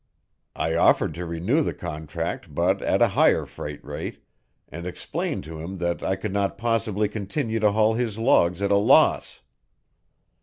I offered to renew the contract but at a higher freight rate, and explained to him that I could not possibly continue to haul his logs at a loss.